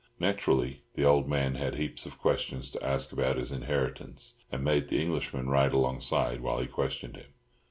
Naturally, the old man had heaps of questions to ask about his inheritance, and made the Englishman ride alongside while he questioned him.